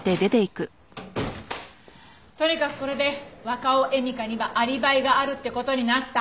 とにかくこれで若尾恵美香にはアリバイがあるって事になった。